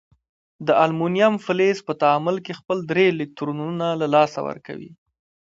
د المونیم فلز په تعامل کې خپل درې الکترونونه له لاسه ورکوي.